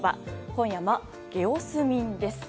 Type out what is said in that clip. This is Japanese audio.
今夜は、ゲオスミンです。